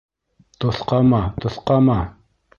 Тоҫҡама, тоҫҡама!